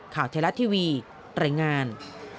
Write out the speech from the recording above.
ข่าวเทลัททีวีตรายงาน